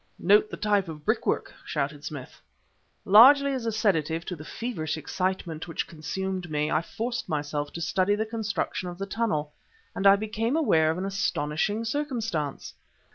"Note the type of brickwork!" shouted Smith. Largely as a sedative to the feverish excitement which consumed me, I forced myself to study the construction of the tunnel; and I became aware of an astonishing circumstance.